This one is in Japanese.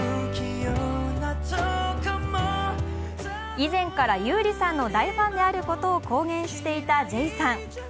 以前から優里さんの大ファンであることを公言していてたＪＡＹさん。